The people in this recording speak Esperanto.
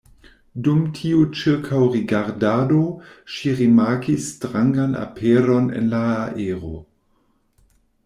Dum tiu ĉirkaŭrigardado ŝi rimarkis strangan aperon en la aero.